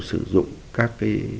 sử dụng các